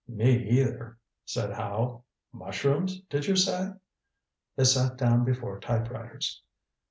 "Me either," said Howe. "Mushrooms, did you say?" They sat down before typewriters.